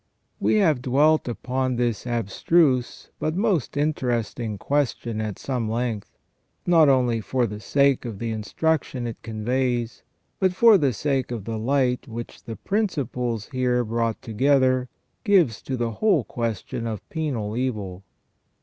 233 We have dwelt upon this abstruse but most interesting question at some length, not only for the sake of the instruction it conveys, but for the sake of the light which the principles here brought together gives to the whole question of penal evil.